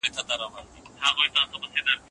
هوښیار خلګ خپلو ژمنو ته تل وفادار وي.